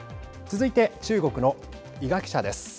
続いて中国の伊賀記者です。